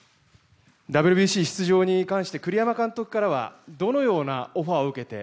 ＷＢＣ出場に関して栗山監督からはどのようなオファーを受けて。